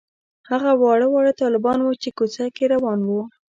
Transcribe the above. هغه واړه واړه طالبان وو چې کوڅه کې روان وو.